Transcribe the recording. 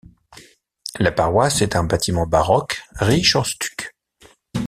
La paroisse est un bâtiment baroque, riche en stucs.